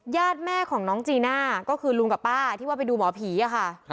แม่ของน้องจีน่าก็คือลุงกับป้าที่ว่าไปดูหมอผีอะค่ะ